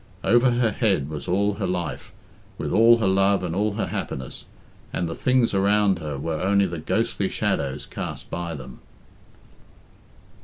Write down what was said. Over her head was all her life, with all her love and all her happiness, and the things around her were only the ghostly shadows cast by them.